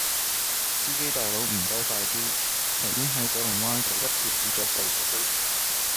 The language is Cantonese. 司機大佬唔該快啲，頭先喺九龍灣啟德橋跌左部手機